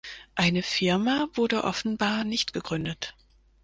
Eine Firma wurde offenbar nicht gegründet.